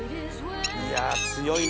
いや強いね。